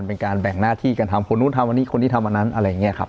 เป็นการแบ่งหน้าที่กันทำคนนู้นทำอันนี้คนนี้ทำอันนั้นอะไรอย่างนี้ครับ